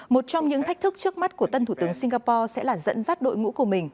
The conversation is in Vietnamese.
một trong những thách thức trước mắt của tân thủ tướng singapore sẽ là dẫn dắt đội ngũ của mình